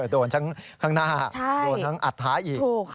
โดนทั้งข้างหน้าโดนทั้งอัดท้ายอีก